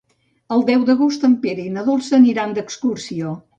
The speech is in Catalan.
El deu d'agost en Pere i na Dolça aniran d'excursió.